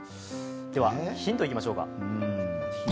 ではヒントいきましょうか。